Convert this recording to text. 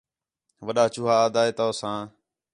وݙّا چوہا آہدا ہِے تو ساں